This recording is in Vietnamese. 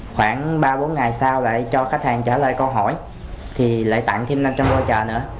khoảng ba bốn ngày sau lại cho khách hàng trả lời câu hỏi thì lại tặng thêm năm trăm linh vô trợ nữa